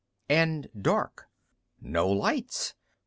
And dark. No lights.